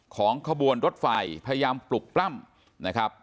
ของขบวนรถไฟพยายามปลุกปล้ำนะครับ